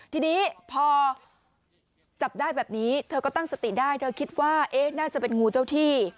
ทีนี้พอจับได้แบบนี้เธอก็ตั้งสติได้เธอคิดว่าน่าจะเป็นงูเจ้าที่